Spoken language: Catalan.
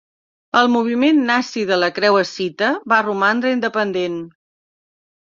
El moviment nazi de la Creu Escita va romandre independent.